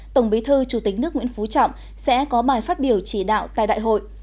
tổng bí thư chủ tịch nước nguyễn phú trọng sẽ có bài phát biểu chỉ đạo tại đại hội